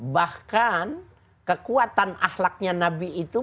bahkan kekuatan ahlaknya nabi itu